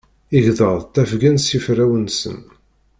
Igḍaḍ ttafgen s yiferrawen-nsen.